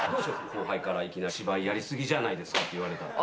後輩から芝居やりすぎじゃないですかって言われたら。